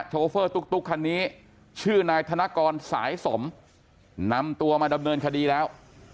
โชเฟอร์ตุ๊กคันนี้ชื่อนายธนกรสายสมนำตัวมาดำเนินคดีแล้ว